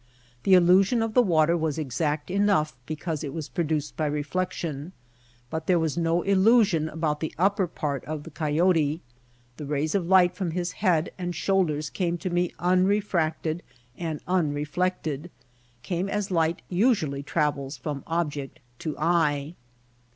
The illusion of the water was exact enough be cause it was produced by reflection, but there was no illusion about the upper part of the coyote. The rays of light from his head and shoulders came to me unrefracted and unre flected — came as light usually travels from ob ject to eye.